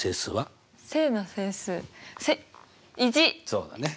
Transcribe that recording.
そうだね。